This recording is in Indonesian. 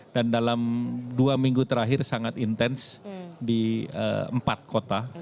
dan dalam dua minggu terakhir sangat intens di empat kota